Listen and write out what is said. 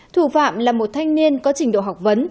thủ phạm là một thanh niên có trình độ học vấn